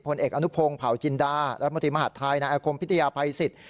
เอกอนุพงศ์เผาจินดารัฐมนตรีมหาดไทยนายอาคมพิทยาภัยสิทธิ